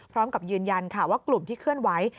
พร้อมกับยืนยันค่ะว่ากลุ่มที่เคลื่อนไหว